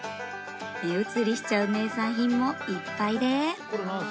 目移りしちゃう名産品もいっぱいで